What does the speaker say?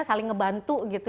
saling ngebantu gitu